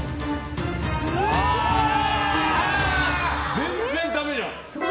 全然だめじゃん。